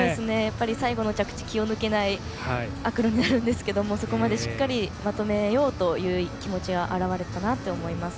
最後の着地気を抜けないアクロになるんですが、そこまでしっかりまとめようという気持ちが表れたなと思います。